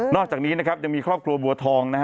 นอกจากนี้ยังมีครอบครัวบัวทอง